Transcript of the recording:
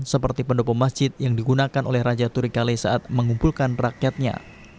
seperti pendopo masjid yang digunakan oleh raja turikale saat mengumpulkan rakyatnya